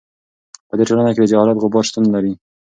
په دې ټولنه کې د جهالت غبار شتون نه لري.